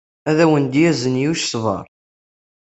Ad awen-d-yazen Yuc ṣṣber.